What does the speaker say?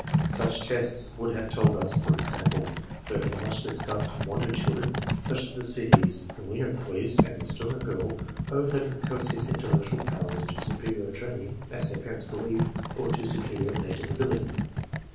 Such tests would have told us, for example, whether the much discussed " wonder children," such as the Sidis and Wiener boys and the Stoner girl, owe their precocious intellectual prowess to superior training (as their parents believe) or to superior native ability.